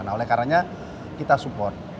nah oleh karanya kita support